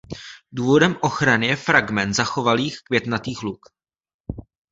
Důvodem ochrany je fragment zachovalých květnatých luk.